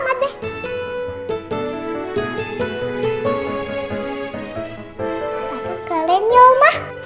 papa kelenya omah